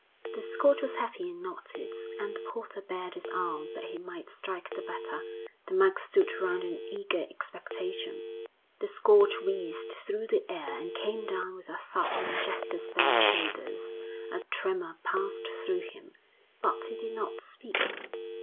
The scourge was heavy and knotted, and the porter bared his arms that he might strike the better; the monks stood round in eager expectation. The scourge whizzed through the air and came down with a thud on Jasper's bare shoulders; a tremor passed through him, but he did not speak.